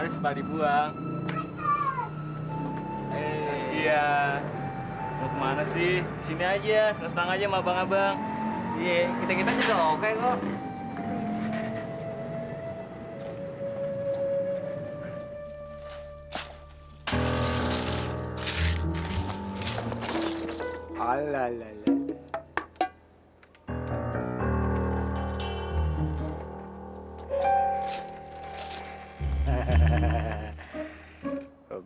sepertinya mereka rampuk ya